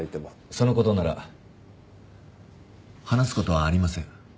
その事なら話す事はありません。